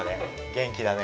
元気だね。